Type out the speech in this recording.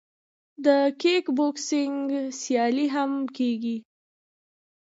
د کیک بوکسینګ سیالۍ هم کیږي.